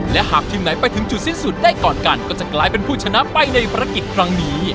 และหากทีมไหนไปถึงจุดสิ้นสุดได้ก่อนกันก็จะกลายเป็นผู้ชนะไปในภารกิจครั้งนี้